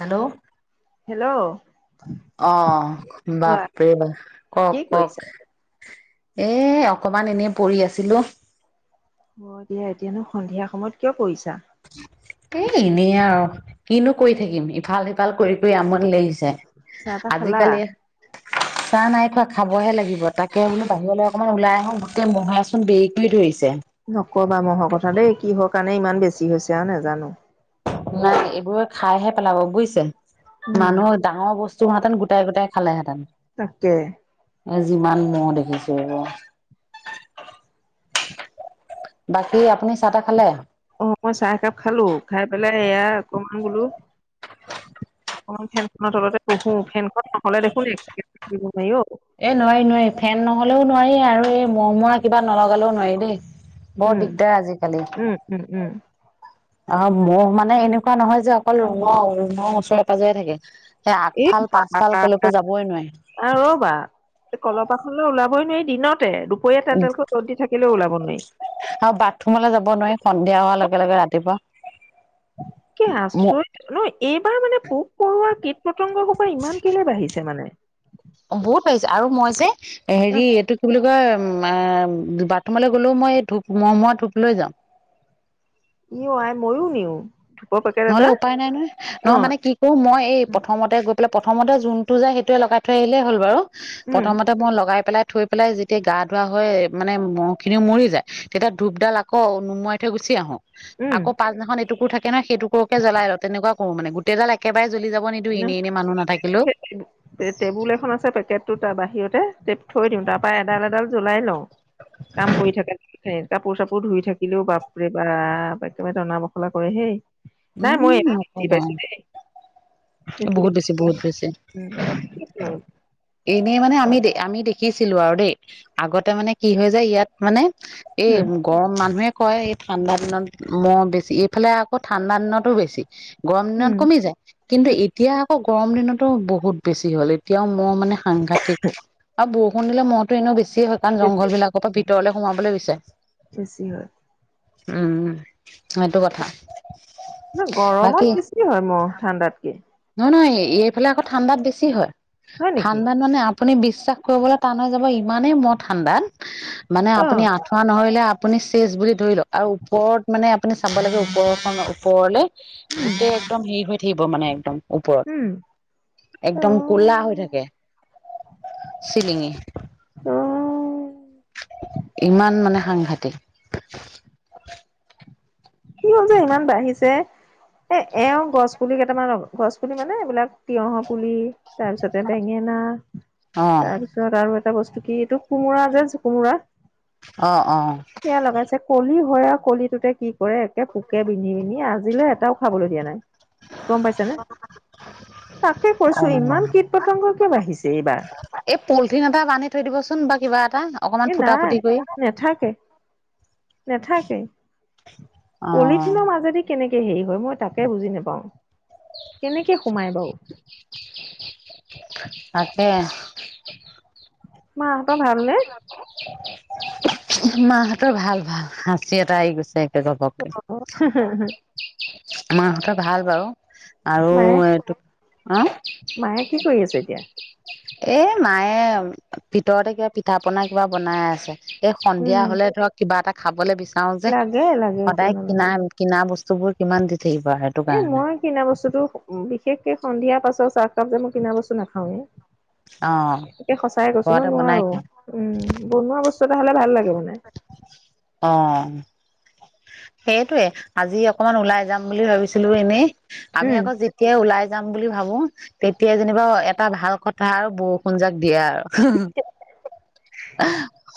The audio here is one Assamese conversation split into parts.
হেল্ল'। হেল্ল'। অ' কোৱা বাপৰে বা কি কওঁক কৰিছা? কওঁক। এই অকমান এনেই পৰি আছিলোঁ। অ দিয়া এতিয়ানো সন্ধিয়া সময়ত কিয় কৰিছা? এ এনেই আৰু কিনো কৰি থাকিম ইফাল সিফাল কৰি কৰি আমনি লাগিছে। চাহ [unintelligible] তাহ খালা? আজিকালি [inaudible] চাহ নাই খোৱা খাবহে লাগিব তাকে বোলো বাহিৰলৈ অকণমান ওলাই আহো গোটেই মহে চোন বেৰি কৰি ধৰিছে। ন'কবা মহৰ কথা দেই কিহৰ কাৰণে ইমান বেছি হৈছে আউ নাজানো। নাই এইবোৰে খাইহে পেলাব বুইছে উম, মানুহ ডাঙৰ বস্তু হোৱা হেঁতেন গোটাই গোটেই খালে হেঁতেন। তাকে। এ যিমান মহ দেখিছো ৰ'ব। বাকী আপুনি চাহ -তাহ খালে? অ' মই চাহ একাপ খালো। খাই পেলাই এয়া অকণমান বোলো অকমান ফেনখনৰ তলতে বহো। ফেনখন নহলে দেখোন এক চেকেণ্ড থাকিব নোৱাৰি অ'। এই নোৱাৰি নোৱাৰি ফেন ন'হলেও নোৱাৰি আৰু এই মহমৰা কিবা নলগালেও নোৱাৰি দেই। বৰ উম, দিগদাৰ আজিকালি। উম, উম, উম। অ' মহ মানে এনেকুৱা নহয় যে অকল ৰুমৰ ৰুমৰ ওচৰে পাজৰে থাকে। এই আগফাল পাচফাল ক'লেকো যাবই নোৱাৰি। আ ' ৰ'বা কলপাখনলৈ ওলাবই নোৱাৰি দিনতে। [unintelligible] দুপৰীয়া তেল তেল কৈ ৰ'দ দি থাকিলেও ওলাব নোৱাৰি। আৰু বাথৰুমলৈ যাব নোৱাৰি সন্ধিয়া হোৱাৰ লগে লগে ৰাতিপুৱা কি আচৰিত ন এইবাৰ মানে পোক পৰুৱা কীট -পতংগ সোপা ইমান কেলে বাঢ়িছে মানে। বহুত বাঢ়িছে আৰু মই যে অ হেৰি এইটো কি বুলি [unintelligible] বাথৰুমলৈ গ'লেও মই ধূপ মহমৰা ধূপ লৈ যাওঁ। ইয় আই ময়ো নিওঁ। নহলে উপায় নাই নহয়। নহয় মানে কি উম, মই এই প্ৰথমতে গৈ পেলাই প্ৰথমতে যোনটো যাই সেইটোৱে লগাই থৈ আহিলে হ'ল বাৰু উম প্ৰথমতে মই লগাই পেলাই থৈ পেলাই যেতিয়া গা ধোৱা হয় মানে মহ খিনিও মৰি যায়। তেতিয়া ধূপডাল আকৌ নুমাই থৈ গুচি আহোঁ। উম আকৌ পাছদিনাখন এটোকুৰ থাকে ন সেইটোকুৰকে জ্বলাই লওঁ তেনেকাৱা কৰো মানে গো গোটেই ডাল একেবাৰে জ্বলি যাব নিদিও এনেই এনেই মানুহ নাথাকিলেও। টেবুল এখন আছে পেকেটটো তাৰ বাহিৰতে। থৈ দিওঁ তাৰপা এডাল এডাল জ্বলাই লওঁ কাম কৰি থাকে নি সেই কাপোৰ চাপোৰ ধুই থাকিলেও বাপৰে বাপ একেমাৰে টনা বখলা কৰে হেই। নাই উম মই এ [unintelligible] নকবা পাইছো দেই। বহুত পাইছো বেছি এইবাৰ। বহুত বেছি। উম, কি কম। এনেই মানে আমি আমি দেখিছিলোঁ আৰু দেই আগতে মানে কি হৈ যায় ইয়াত মানে এই উম গৰম মানুহে কয় এই ঠাণ্ডা দিনত ম'হ বেছি এইফালে আকৌ ঠাণ্ডা দিনতো বেছি। গৰম দিনত উম কমি যায়, কিন্তু উম, এতিয়া আকৌ গৰম দিনতো বহুত বেছি হ'ল এতিয়াও ম'হ মানে সাংঘাতিক আৰু বৰষুণ দিলে ম'হতো এনেও বেছিয়ে হয়। কাৰণ বেছি জংঘল বিলাকৰ পৰা ভিতৰলে সোমাবলৈ বিছাৰে। বেছি হয় উম, সেইটো কথা। নহয় বাকী গৰমত বেছি হয় ম'হ ঠাণ্ডাতকে। নহয় নহয় এইফালে আকৌ ঠাণ্ডাত বেছি হয়, হয় নেকি ঠাণ্ডাত মানে আপুনি বিশ্বাস কৰিবলৈ টান হৈ যাব ইমানেই ম'হ ঠাণ্ডাত, মানে অ আপুনি আঠুৱা নহৰিলে আপুনি চেচ বুলি ধৰি লওক আৰু ওপৰত মানে আপুনি চাব লাগে ওপৰৰ খন ওপৰলৈ। উম গোটেই একদম হেৰি হৈ থাকিব মানে একদম। উম ওপৰত অ একদম ক'লা হৈ থাকে চিলিঙি। উম। ইমান মানে সাংঘাতিক। কিয় যে ইমান বাঢ়িছে। এ এওঁ গছ পুলি কেইটামান গছ পুলি মানে এইবিলাক তিয়হৰ পুলি। তাৰপিছতে বেঙেনা। অ তাৰপিছত আৰু এটা বস্তু কি এইটো কোমোৰা যে কোমোৰা। অ', অ'। সেয়া লগাইছে কলি হয় আৰু কলিটোতে কি কৰে একে পোকে বিন্ধি বিন্ধি আজিলৈ এটাও খাবলৈ দিয়া নাই গ'ম পাইছে নে! তাকে অ কৈছো ইমান কীট-পতংগ কিয় বাঢ়িছে এইবাৰ? এই পলিথিন এটা বান্ধি থৈ দিবচোন বা কিবা এটা। অকমান এই ফুটা নাই ফুটি কৰি নেথাকে, নাথাকে। অ পলিথিনৰ মাজেদি কেনেকে হেৰি হয় মই তাকে বুজি নোপাওঁ। কেনেকে সোমাই বাৰু? তাকে। মাহঁতৰ ভাল নে? মাহঁতৰ ভাল-ভাল। হাঁচি এটা আহি গৈছে একে ঘপকে। মাহঁতৰ ভাল বাৰু, আৰু মায়ে এইটো, উ? মায়ে কি কৰি আছে এতিয়া? এ মায়ে ভিতৰতে কিবা পিঠা-পনা কিবা বনাই আছে। এই সন্ধিয়া উম হ'লে ধৰক কিবা এটা খাবলে বিচাৰো যে, লাগে লাগে কিয় সদায় নালাগে কিনা কিনা বস্তু বোৰ কিমান দি থাকিব আৰু। এ মই কিনা বস্তুতটো বিশেষকে সন্ধিয়া পাছৰ চাহকাপ যে মই কিনা বস্তু অ নাখাওয়ে। সচাই কৈছো মই ঘৰতে বনাই নোৱাৰো। খায় উম, বনোৱা বস্তু এটা হ'লে ভাল লাগে মানে। অ'। সেইটোয়ে আজি অকনমান ওলাই যাম বুলি ভাবিছিলো এনেই। আমি উম আকৌ যে তিয়াই ওলাই যাম বুলি ভাবো। তেতিয়াই যেনিবা এটা ভাল কথা আৰু বৰষুণ জাক দিয়ে আৰু।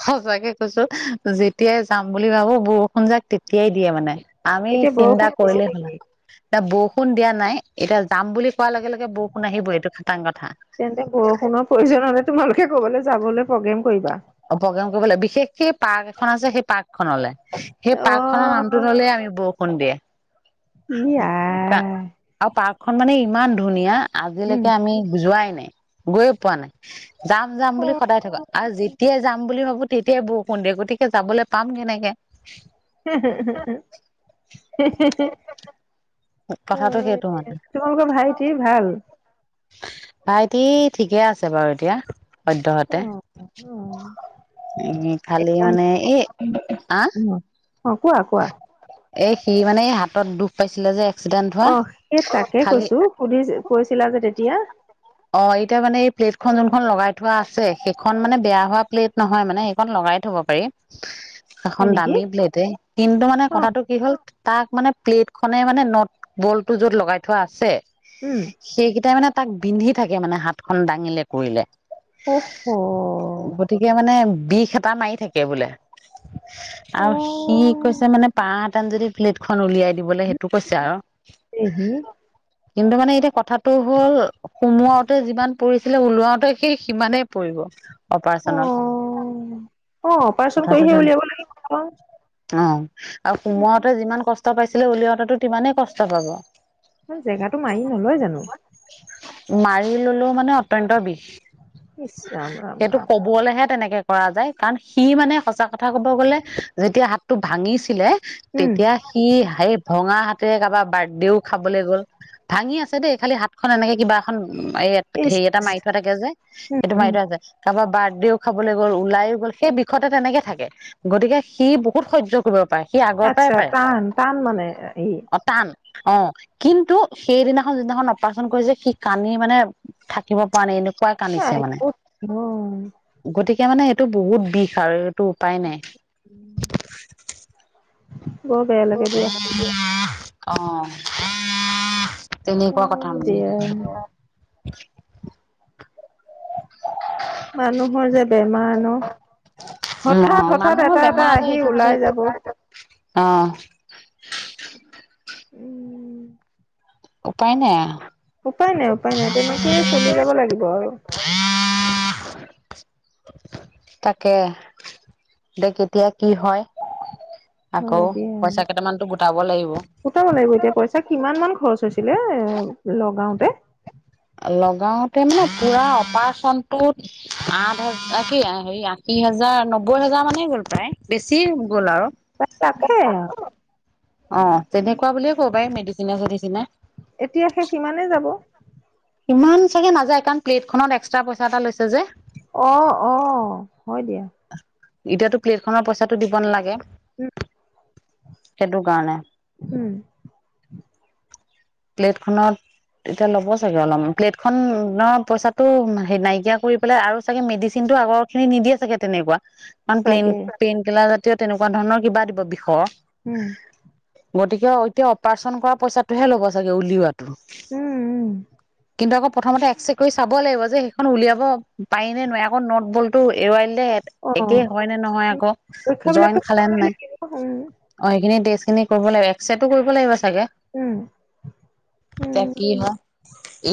সচাকে কৈছো। যেতিয়াই যাম বুলি ভাবো বৰষুণ জাক তেতিয়াই দিয়ে মানে, আমি এতিয়া চিন্তা বৰষুণ দিছে কৰিলেই নেকি হ'ল। এতিয়া বৰষুণ দিয়া নাই। এতিয়া যাম বুলি কোৱাৰ লগে লগে বৰষুণ আহিবই এইটো খাটাং কথা। তেন্তে বৰষুণৰ প্ৰয়োজন হ'লে তোমালোকে ক'বালৈ যাবলৈ প্ৰগ্ৰেম কৰিবা। অ', প্ৰগ্ৰেম কৰিব লাগিব। বিশেষকে পাৰ্ক এখন আছে, সেই পাৰ্ক খনলৈ, সেই অ পাৰ্ক খনৰ নামটো ল'লে আমি বৰষুণ দিয়ে। E I. আৰু পাৰ্কখন মানে ইমান ধুনীয়া উম আজিলৈকে আমি যোৱাই নাই, গৈয়ে পোৱা নাই। যাম যাম অ বুলি সদায় থাকা। [unintelligible] যি সেই যাম বুলি ভাবো তেতিয়াই বৰষুণ দিয়ে, গতিকে যাবলৈ পাম কেনেকে। [unintelligible] কথাটো সেইটো মানে [unintelligible] তোমালোকৰ ভাইটি ভাল? ভাইটি ঠিকে আছে বাৰু এতিয়া সদ্যহতে। অ', অ', অ', এই ভালেই মানে, এই আ অ', কোৱা-কোৱা। এই সি মানে এই হাতত দুখ পাইছিলে যে, এক্সিডেন্ট হোৱা অ', সেই তাকে খালি কৈছো সুধি কৈছিলা যে তেতিয়া। অ এতিয়া মানে এই প্লেটখন যোনখন লগাই থোৱা আছে, সেইখন মানে বেয়া হোৱা প্লেট নহয় মানে সেইখন লগাই থব পাৰি। সেইখন হয় নেকি? দামি প্লেট। কিন্তু মানে অ', কথাটো কি হ'ল তাক মানে প্লেট খনে মানে নট বলটো য'ত লগাই থোৱা আছে, উম, সেইকেইটাই মানে তাক বিন্ধি থাকে মানে হাতখন দাঙিলে কৰিলে। অ', হ। এতিয়া মানে বিষ এটা মাৰি থাকে বোলে। আৰু সি অ', কৈছে মানে পাহ এটাত যদি প্লেটখন উলিয়াই দিবলৈ, সেইটো কৈছে আৰু। [unintelligible] কিন্তু মানে এতিয়া কথাটো হ'ল সোমোৱাওতে যিমান পৰিছিলে, ওলাওতে সি সিমানেই পৰিব। অপাৰেচনত, অ', অ', অপাৰেচন কৰিহে উলিয়াব লাগিব [unintelligible] অ', আৰু সোমোৱাতে যিমান কষ্ট পাইছিলে উলিয়াওঁতে সিমানেই কষ্ট পাব। [unintelligible] জেগাটো মাৰি নলয় জানোঁ। মাৰি ললেওঁ মানে অত্যন্ত বিষ। ইচ ৰাম ৰাম এইটো ৰাম কবলেহে তেনেকে কৰা যায় কাৰণ সি মানে সঁচা কথা ক'ব গ'লে যেতিয়া হাতটো ভাঙিছিলে উম, তেতিয়া সি সেই ভঙা হাতেৰে কাৰোবাৰ বাৰ্ডেও খাবলৈ গ'ল ভাঙি আছে দেই খালি হাত এনেকে কিবা এখন এই ইচ হেৰি এটা মাৰি থোৱা থাকে যে উম, সেইটো মাৰি উম, থোৱা আছে। কাৰোবাৰ বাৰ্ডেও খাবলৈ গ'ল ওলায়ো গ'ল সেই বিষতে তেনেকে থাকে। গতিকে সি বহুত সহ্য কৰিব পাৰে সি আগৰ পৰাই আচ্ছা পাৰে টান টান মানে ই অ' টান। অ', কিন্তু সেইদিনাখন যিদিনাখন অপ অপাৰেচন কৰিছে সি কান্দি মানে থাকিব পৰা নাই এনেকুৱা কান্দিছে মানে। অ', গতিকে মানে সেইটো বহুত বিষ আৰু এইটো উপায় নাই। বৰ বেয়া লাগে দিয়া। [unintelligible] অ', [unintelligible] তেনেকুৱা কথা হয় মানে। দিয়া। মানুহৰ যে বেমাৰ ন অ হঠাৎ হঠাৎ মানুহৰ এটা বেমাৰ এটা আজাৰ আহি ইটো পিছে ওলাই যাব। অ', [unintelligible] উপায় নাই আ উপায় নাই উপায় নাই তেনেকেই চলি যাব লাগিব আৰু। তাকে দে কেতিয়া কি হয়। আকৌ হয় দিয়া। পইচা কেইটামানটো গোটাব লাগিব। গোটাব লাগিব এতিয়া। পইচা কিমান মান খৰচ হৈছিলে এ লগাওঁতে? লগাওতে মানে পুৰা অপাৰেচনটোত আঠ হাজ আ কি হেৰি আশী হাজাৰ নব্বৈ হাজাৰ মানে গ'ল প্ৰায়। বেছি গ'ল আৰু। তাই ৰাখে আৰু [unintelligible] অ' তেনেকুৱা বুলিয়ে ক'ব পাৰি মেডিচিনে চেডিচিনে। এতিয়া সে সিমানে যাব। ইমান চাগে নাযায়, কাৰণ প্লেটখনত এক্সট্ৰা পইচা এটা লৈছে যে। অ', অ' হয় দিয়া। এতিয়াতো প্লেটখনৰ পইচাটো দিব নালাগে। [unintelligible] সেইটো কাৰণে। উম। প্লেটখনত এতিয়া ল'ব চাগে অলপমান, প্লেট খনৰ পইচাটো হে নাইকিয়া কৰি পেলাই আৰু চাগে মেডিচিন টো আগৰ খিনি নিদিয়ে চাগে তেনেকুৱা। কাৰণ প্লেন চাগে পেইনকিলাৰ জাতীয় তেনেকুৱা ধৰণৰ কিবা দিব বিষৰ। উম। গতিকে অতিয়া অপাৰেচন কৰা পইচাটোহে ল'ব চাগে উলিওৱাত। উম, উম। কিন্তু আকৌ প্ৰথমতে এক্মৰে কৰি চাব লাগিব যে সেইখন উলিয়াব পাৰি নে নোৱাৰি আকৌ নোট বলটো এৰুৱাই দে একেই অ'। হয়নে নহয় আকৌ, জইন পৰীক্ষাবিলাকতো খালেনে কৰিবই নাই? লাগিব উম, অ' সেইখিনি টেষ্ট খিনি কৰিব লাগিব। এক্সৰেটো কৰিব লাগিব চাগে। উম। তিয়া উম, কি হয়?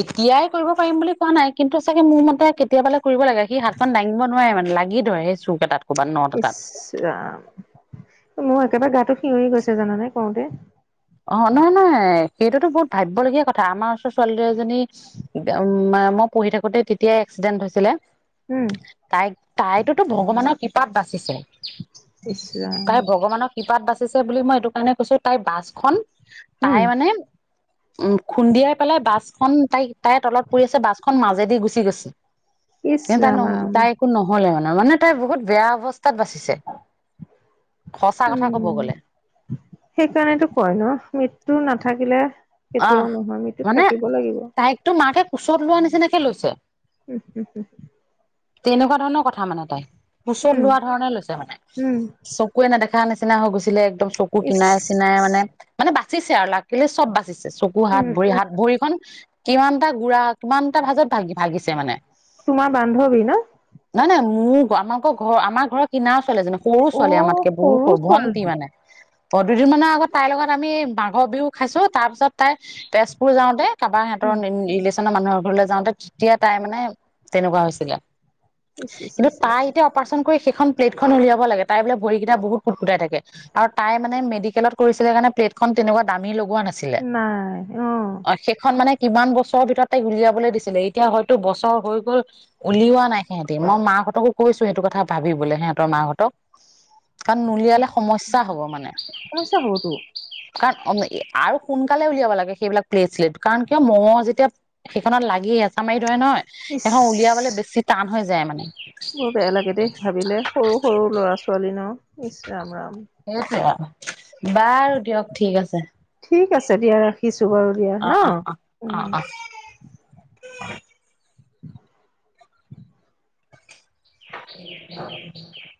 এতিয়াই কৰিব পাৰিম বুলি কোৱা নাই। কিন্তু চাগে মোৰ মতে কেতিয়াবালে কৰিব লাগে। সি হাতখন দাঙিব নোৱাৰে মানে লাগি ধৰে সেই চুক এটাত। ক'ৰবাত নট ইচ! এটাত ৰাম। মোৰ একেবাই গাটো শিঞই গৈছে জানানে কওঁতে। অ', নহয় নহয়। সেইটোতো বহুত ভাবিবলগীয়া কথা। আমাৰ ওচৰত ছোৱালী দু এজনী উম মা-মই পঢ়ি থাকোতে তেতিয়াই এক্সিডেণ্ট হৈছিলে। উম। তাইক তাইতোতো ভগৱানৰ কৃপাত বাচিছে। ইছ ৰাম, তাই ভগৱানক কৃপাত বাচিছে বুলি মই এইটো কাৰণে কৈছো তাই বাছখন উম। তাই মানে উম খুন্দিয়াই পেলাই বাছখন তাইক তাইৰ তলত পৰি আছে। বাছখন মাজেদি গুচি গৈছে। ইছ ৰাম ৰাম, তাই একো নহ'লে মানে। মানে তাই বহুত বেয়া অৱস্থাত বাচিছে। সঁচা কথা কব উম। গ'লে সেইকাৰণেতো কয় ন মৃত্যু নাথাকিলে কেতিয়াও নহয়, আমিতো থাকিব লাগিব। তোৰ মাকে কোচত লোৱা নিচিনাকে লৈছে। উঃ ওহোঁ তেনেকুৱা ধৰণৰ কথা মানে তাই। কোচত উম, লোৱা ধৰণে লৈছে মানে। উম, চুকুৱে নেদেখা নিচিনা হৈ গৈছিলে। একদম চকু ইছ কিনাই চিনাই মানে মানে বাচিছে আৰু লাকিলি চব বাচি। চিছে, চকু, উম, হাত-ভৰি, উম, হাত ভৰিখন কিমানটা গুড়া কিমানটা ভাঁজত ভাগিছে মানে। তোমাৰ বান্ধৱী ন? নহয়, নহয়। মোৰ গ আমাৰ কৰ ঘৰ আমাৰ ঘৰৰ কিনাৰ ছোৱালীজনী। সৰু ছোৱালী অ' আমাতকে বহুত সৰু ভণ্টি ছোৱালী, মানে। অ', দুদিন মানৰ আগত তাইৰ লগত আমি মাঘৰ বিহু খাইছো। তাৰ পিছত তাই তেজপুৰ যাওঁতে কাকায়েহঁতৰ উম, নি ৰিলেশ্যনৰ মানুহৰ ঘৰলৈ যাওঁতে তেতিয়া তাইৰ মানে তেনেকুৱা হৈছিলে। ইছ ইছ কিন্তু ইছ ইছ। তাই এতিয়া অপাৰচন কৰি সেইখন প্লেটখন উলিয়াব লাগে তাই বোলে ভৰিকেইটা বহুত কুটকুটাই থাকে। আৰু তাই মানে মেডিকেলত কৰিছিলে কাৰণে প্লেটখন তেনেকুৱা দামী লগোৱা না উম, নাই অ। সেইখন মানে কিমান বছৰৰ ভিতৰত তাইক উলিয়াবলৈ দিছিলে এতিয়া হয়তো বছৰ হৈ গ'ল উলিওৱা নাই সেহঁতি মই মাকহঁতকো কৈছো সেইটো কথা ভাবি বোলে সিহঁতৰ মাহঁতক কাৰণ নুলিয়ালে সমস্যা হব মানে। সমস্যা হ'ব টো। [unintelligible] সোনকালে উলিয়াব লাগে সেইবিলাক প্লেট- স্লেট কাৰণ কিয় মঙহ যেতিয়া সেইখনত লাগি হেঁচা মাৰি ধৰে নহয় এখন উলিয়াবলৈ ইছ বেছি টান হৈ যায় মানে। বৰ বেয়া লাগে দেই ভাবিলে সৰু, সৰু ল'ৰা- ছোৱালী ন, ইচ ৰাম, ৰাম। সেইটোৱে আৰু বাৰু দিয়ক ঠিক আছে। ঠিক আছে দিয়া ৰাখিছো বাৰু। দিয়া ন উম অ'অ'অ'অ'অ' [inaudible]